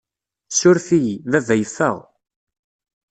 Ssuref-iyi, baba yeffeɣ.